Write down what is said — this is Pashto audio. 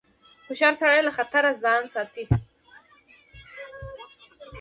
هوښیار سړی له خطر څخه ځان ساتي.